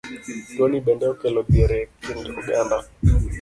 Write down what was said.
Tuoni bende okelo dhier e kind oganda.